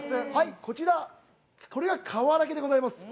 こちらかわらけでございます。